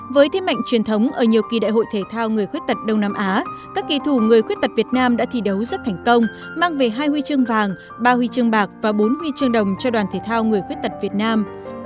với thế mạnh truyền thống ở nhiều kỳ đại hội thể thao người khuyết tật đông nam á các kỳ thủ người khuyết tật việt nam đã thi đấu rất thành công mang về hai huy chương vàng ba huy chương bạc và bốn huy chương đồng cho đoàn thể thao người khuyết tật việt nam